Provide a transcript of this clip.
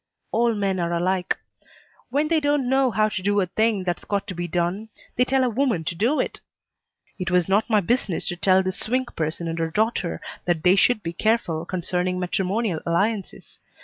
All men are alike. When they don't know how to do a thing that's got to be done, they tell a woman to do it. It was not my business to tell this Swink person and her daughter that they should be careful concerning matrimonial alliances.